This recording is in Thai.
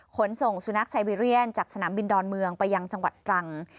ขนส่งสุนัขไซเบเรียนจากสนามบินดอนเมืองไปยังจังหวัดตรัง